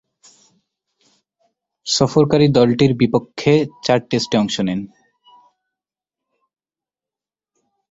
সফরকারী দলটির বিপক্ষে চার টেস্টে অংশ নেন।